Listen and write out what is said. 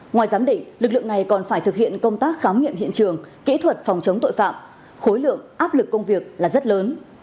ngoài giám định lực lượng này còn phải thực hiện công tác khám nghiệm hiện trường kỹ thuật phòng chống tội phạm khối lượng áp lực công việc là rất lớn